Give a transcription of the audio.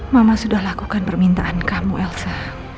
mama sudah lakukan permintaan kamu elsa